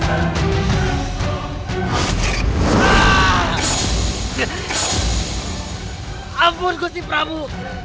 ampun gusti prabu